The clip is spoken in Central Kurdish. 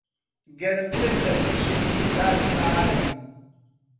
گەرمتر لە پڕشنگی تاوی بەهاری